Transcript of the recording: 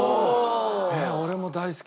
俺も大好き！